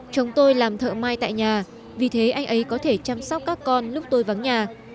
chồng tôi làm thợ may tại nhà vì thế anh ấy có thể chăm sóc các con lúc tôi vắng nhà